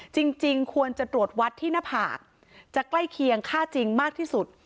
จริงควรจะตรวจวัดที่หน้าผากจะใกล้เคียงค่าจริงมากที่สุด